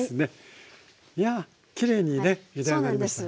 いやきれいにねゆで上がりましたね。